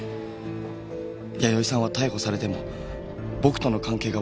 弥生さんは逮捕されても僕との関係がわからないように。